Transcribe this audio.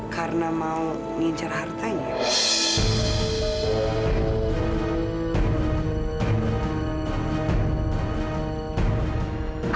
karena mau ngincar hartanya